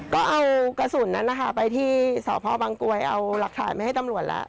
ก็เอากระสุนไปที่สพบังกวยเอาหลักถ่ายให้ตำรวจแล้ว